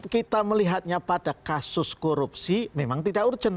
kita melihatnya pada kasus korupsi memang tidak urgent